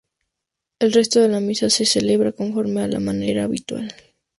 El resto de la Misa se celebra conforme a la manera habitual.